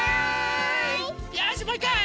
よしもういっかい！